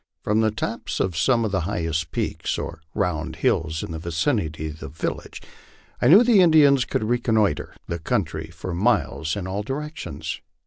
From the tops of some of the highest peaks oi' round hills in the vicinity of the village I knew the Indians could reconnoitre the country for miles in all directions.